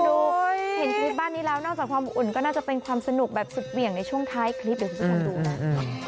เห็นชีวิตบ้านนี้แล้วนอกจากความอุ่นก็น่าจะเป็นความสนุกแบบสุดเหวี่ยงในช่วงท้ายคลิปเดี๋ยวคุณผู้ชมดูนะ